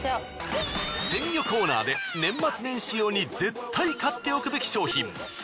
鮮魚コーナーで年末年始用に絶対買っておくべき商品。